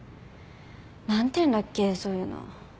何ていうんだっけそういうの。